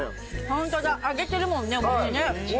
ホントだ揚げてるもんねお餅ね。